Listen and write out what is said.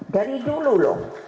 dari dulu loh